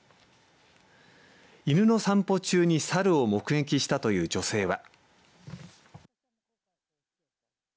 犬の散歩中にサルを目撃したという女性は。